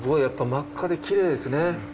やっぱ真っ赤できれいですね。